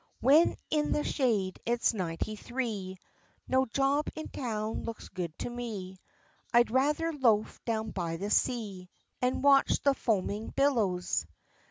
When in the shade it's ninety three, No job in town looks good to me, I'd rather loaf down by the sea, And watch the foaming billows.